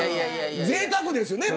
ぜいたくですよね。